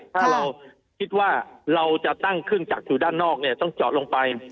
ถ้าเราคิดว่าเราจะตั้งเครื่องจักรอยู่ด้านนอกเนี่ยต้องเจาะลงไป